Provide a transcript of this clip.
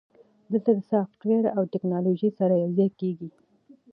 دلته سافټویر او ټیکنالوژي سره یوځای کیږي.